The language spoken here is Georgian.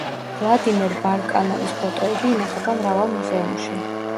ვლადიმერ ბარკანოვის ფოტოები ინახება მრავალ მუზეუმში.